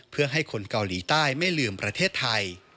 เพื่อให้คนเกาหลีใต้ไม่ลืมประเทศไทย